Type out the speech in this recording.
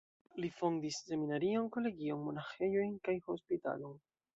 Li fondis seminarion, kolegion, monaĥejojn kaj hospitalon.